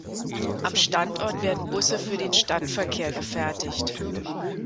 Am Standort werden Busse für den Stadtverkehr gefertigt.